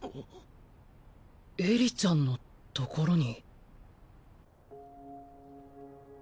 エリちゃんのところに？